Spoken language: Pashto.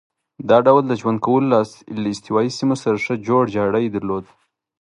دا ډول د ژوند کولو له استوایي سیمو سره ښه جوړ جاړی درلود.